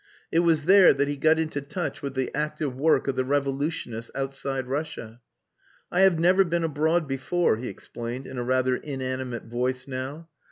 It was there that he got into touch with the active work of the revolutionists outside Russia. "I have never been abroad before," he explained, in a rather inanimate voice now.